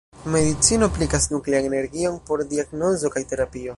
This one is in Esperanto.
Medicino aplikas nuklean energion por diagnozo kaj terapio.